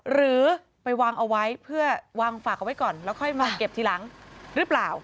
หรือไปวางเอาไว้เพื่อวางฝากเอาไว้ก่อนแล้วค่อยมาเก็บทีหลังหรือเปล่า